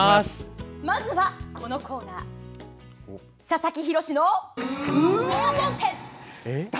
まずはこのコーナー「佐々木洋のウォンテッド！」。